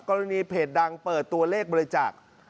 กรณีเพจดังเปิดตัวเลขบริจาค